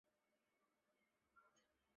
伊比库伊是巴西巴伊亚州的一个市镇。